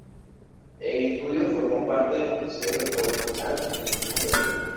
En estudio formó parte del noticiero Score Final en el mismo periodo.